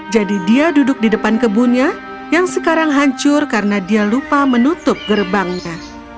jadi dia duduk di depan kebunnya yang sekarang hancur karena dia lupa menutup gerbangnya